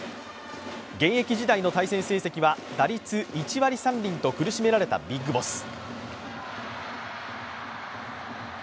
現役時代の対戦成績は打率１割３厘と苦しめられたビッグボス。